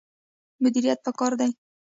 مدیریت پکار دی